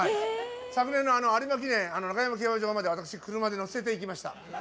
昨年の有馬記念競馬場まで車で乗せていきました。